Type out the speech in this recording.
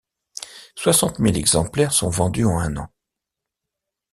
Soixante mille exemplaires sont vendus en un an.